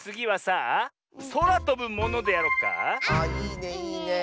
あいいねいいねえ。